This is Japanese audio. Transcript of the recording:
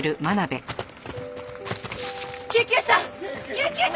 救急車！